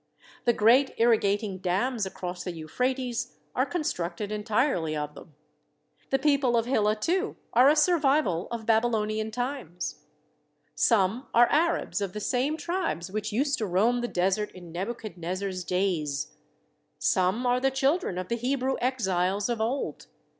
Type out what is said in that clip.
The great irrigat ing dams across the Euphrates are constructed entirely of them. The people of Hillah, too, are a survival of Babylonian times. Some are Arabs of the same tribes which used to roam the desert in Nebuchadnezzar's days. Some are the children of the Hebrew exiles of old.